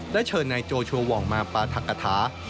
และเชิญในจ้อยชววองมาปราธักษา